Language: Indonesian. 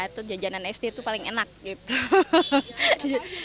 atau jajanan sd itu paling enak gitu